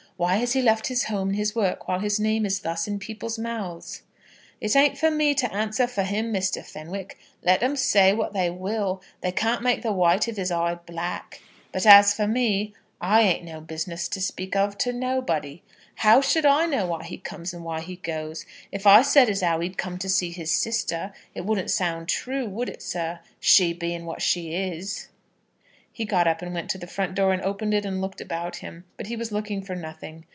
Why has he left his home and his work while his name is thus in people's mouths?" "It ain't for me to answer for him, Mr. Fenwick. Let 'em say what they will, they can't make the white of his eye black. But as for me, I ain't no business to speak of nobody. How should I know why he comes and why he goes? If I said as how he'd come to see his sister, it wouldn't sound true, would it, sir, she being what she is?" He got up and went to the front door, and opened it, and looked about him. But he was looking for nothing.